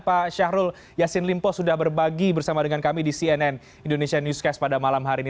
pak syahrul yassin limpo sudah berbagi bersama dengan kami di cnn indonesia newscast pada malam hari ini